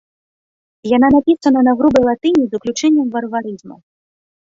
Яна напісана на грубай латыні з уключэннем варварызмаў.